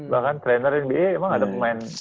bahkan trainer india emang ada pemain